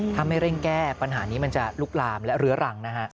ทำให้เร่งแก้ปัญหานี้มันจะลุกลามและเหลือหลัง